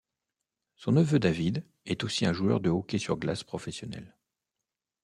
Son neveu Dávid est aussi un joueur de hockey sur glace professionnel.